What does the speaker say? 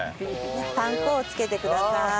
パン粉を付けてください。